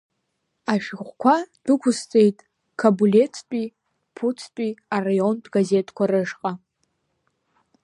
Ашәҟәқәа дәықәсҵеит Қобулеҭтәи, Ԥуҭтәи араионтә газеҭқәа рышҟа.